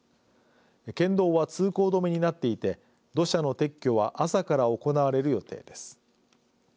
県道は通行止めになっていて土砂の撤去は朝から行われる予定です。